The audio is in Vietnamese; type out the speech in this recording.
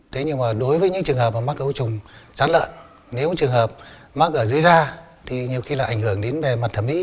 thế nhưng mà đối với những trường hợp mà mắc ấu trùng sán lợn nếu trường hợp mắc ở dưới da thì nhiều khi là ảnh hưởng đến về mặt thẩm mỹ